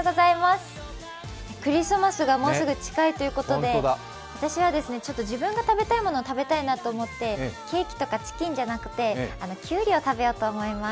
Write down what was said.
クリスマスがもうすぐ近いということで、私は自分が食べたいものを食べたいと思ってケーキとかチキンじゃなくてきゅうりを食べようと思います。